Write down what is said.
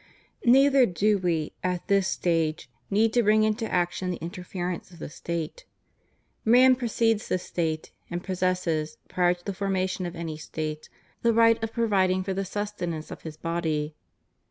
, Neither do we, at this stage, need to bring into action tl the interference of the State. Man precedes the State, and possesses, prior to the formation of any State, the right of providing for the sustenance of his body.